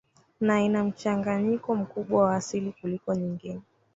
na ina mchanganyiko mkubwa wa asili kuliko nyingine